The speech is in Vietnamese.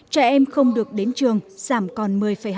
trẻ em không được đến trường giảm còn một mươi hai